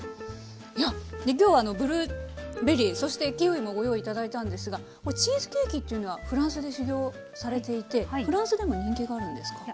いや今日はブルーベリーそしてキウイもご用意頂いたんですがチーズケーキというのはフランスで修業されていてフランスでも人気があるんですか？